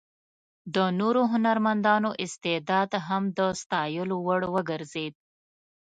د نورو هنرمندانو استعداد هم د ستایلو وړ وګرځېد.